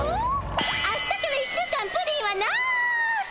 あしたから１週間プリンはなし！